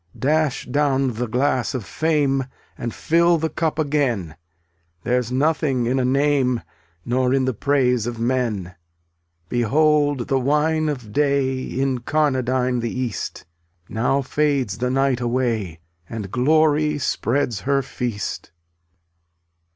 283 Dash down the glass of fame And fill the cup again; There's nothing in a name Nor in the praise of men. Behold the wine of day Incarnadine the east! Now fades the night away And Glory spreads her feast.